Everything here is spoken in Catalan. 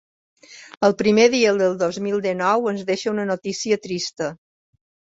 El primer dia del dos mil dinou ens deixa una notícia trista.